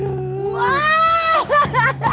aduh aduh aduh aduh aduh